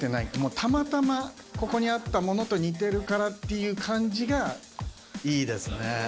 たまたまここにあったものと、似てるからっていう感じが、いいですね。